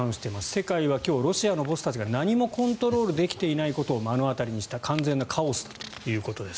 世界は今日ロシアのボスたちが何もコントロールできていないことを目の当たりにした完全なカオスだということです。